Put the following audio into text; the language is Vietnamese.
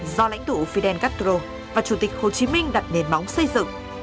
do lãnh tụ fidel castro và chủ tịch hồ chí minh đặt nền móng xây dựng